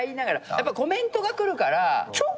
やっぱコメントが来るから直だよね。